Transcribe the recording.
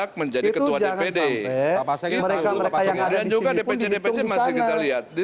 artinya itu jangan sampai mereka mereka yang ada di sini pun dihitung di sana